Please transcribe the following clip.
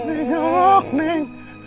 ini ngeluk men